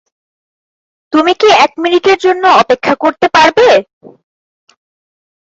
তুমি কি এক মিনিটের জন্য অপেক্ষা করতে পারবে?